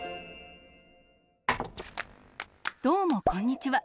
どうもこんにちは。